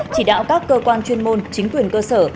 chỉ đạo các cơ quan chuyên môn chính quyền cơ sở